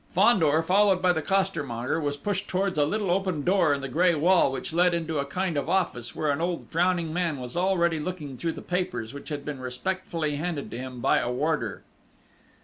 Fandor, followed by the costermonger, was pushed towards a little open door in the grey wall which led into a kind of office, where an old frowning man was already looking through the papers, which had been respectfully handed to him by a warder.